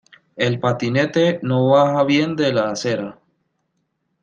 El patinete no baja bien de la acera.